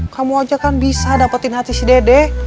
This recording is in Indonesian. kamu aja kan bisa dapetin hati si dede